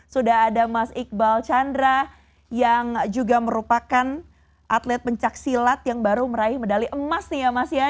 sudah ada mas iqbal chandra yang juga merupakan atlet pencaksilat yang baru meraih medali emas nih ya mas ya